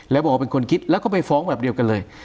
แล้วบอกว่าเป็นคนคิดแล้วก็ไปฟ้องแบบเดียวกันเลย